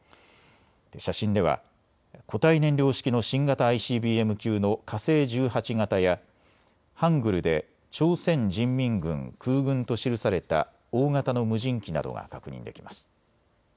写真では固体燃料式の新型ＩＣＢＭ級の火星１８型やハングルで朝鮮人民軍空軍と記された大型の無人機などが確認できます。